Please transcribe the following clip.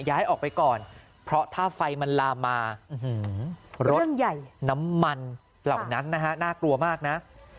ย้ายออกไปก่อนเพราะถ้าไฟมันลามมารถใหญ่น้ำมันเหล่านั้นนะฮะน่ากลัวมากนะ